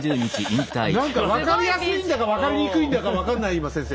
何か分かりやすいんだか分かりにくいんだか分かんない今先生。